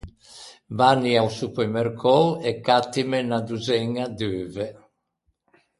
Vanni a-o supermercou e cattime unna dozzeña d’euve.